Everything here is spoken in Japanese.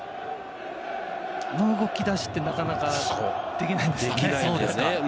あの動きだしって、なかなかできないんですよね。